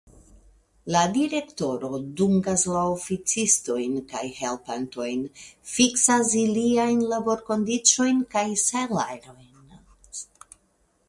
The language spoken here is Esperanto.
La Direktoro dungas la oficistojn kaj helpantojn, fiksas iliajn laborkondiĉojn kaj salajrojn.